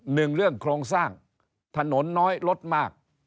หนึ่งเรื่องโครงสร้างถนนน้อยรถมาก